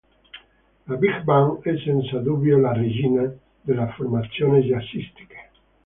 La Big Band è senza dubbio la "regina" delle formazioni jazzistiche.